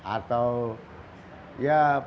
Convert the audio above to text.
atau ya memberikan ya pengamat seni